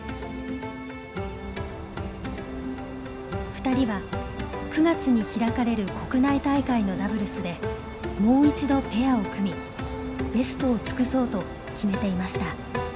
２人は９月に開かれる国内大会のダブルスでもう一度ペアを組みベストを尽くそうと決めていました。